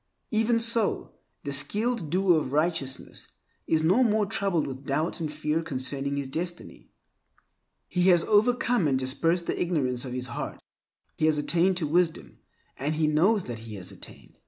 Even so the skilled doer of righteousness is no more troubled with doubt and fear concerning his destiny. He has overcome and dispersed the ignorance of his heart. He has attained to wisdom, and he knows that he has attained.